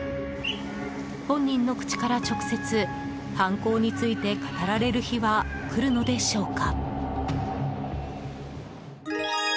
本人の口から直接、犯行について語られる日は来るのでしょうか。